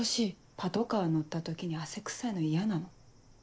パトカー乗った時に汗臭いの嫌なの。